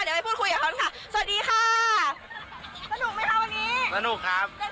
เดี๋ยวไปพูดคุยกับเขาค่ะสวัสดีค่ะสนุกไหมคะวันนี้สนุกครับ